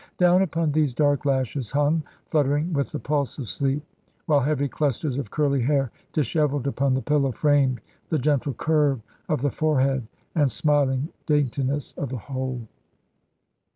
Down upon these dark lashes hung, fluttering with the pulse of sleep; while heavy clusters of curly hair, dishevelled upon the pillow, framed the gentle curve of the forehead and smiling daintiness of the whole.